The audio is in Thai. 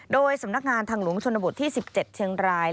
โดยสำนักงานทางหลวงชนบทที่๑๗เชียงราย